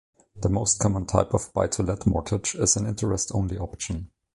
The most common type of buy-to-let mortgage is an interest only option.